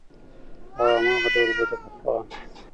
او هماغه ډول به د پخوا